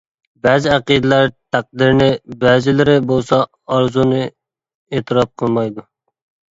بەزى ئەقىدىلەر تەقدىرنى، بەزىلىرى بولسا ئارزۇنى ئېتىراپ قىلمايدۇ.